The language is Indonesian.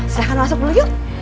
silahkan masuk dulu yuk